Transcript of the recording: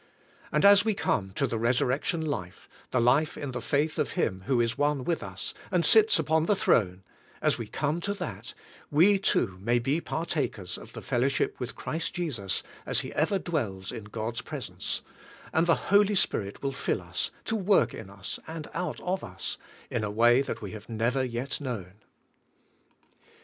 And as we come to the resurrection life, the life in the faith of Him who is one with us, and sits upon the throne— as we come to that, we too may be partakers of the fellowship with Christ Jesus as He ever dwells in God's presence, and the Holy Spirit will fill us, to work in us, and out of us, in a way that we have never yet known.